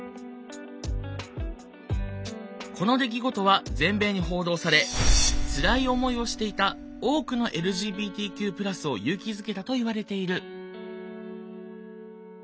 この出来事は全米に報道されつらい思いをしていた多くのＬＧＢＴＱ＋を勇気づけたといわれている。